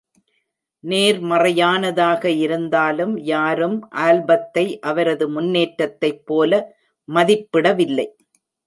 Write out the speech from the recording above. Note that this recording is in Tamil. நேர்மறையானதாக இருந்தாலும், யாரும் ஆல்பத்தை அவரது முன்னேற்றத்தைப் போல மதிப்பிடவில்லை.